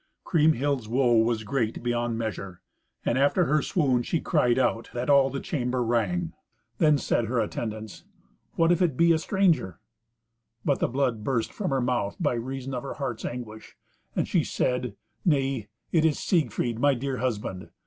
Kriemhild's woe was great beyond measure, and after her swoon she cried out, that all the chamber rang. Then said her attendants, "What if it be a stranger?" But the blood burst from her mouth by reason of her heart's anguish, and she said, "Nay, it is Siegfried, my dear husband.